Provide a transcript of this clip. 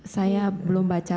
saya belum baca